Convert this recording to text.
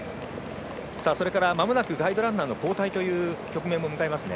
それからまもなくガイドランナーの交代という局面も迎えますね。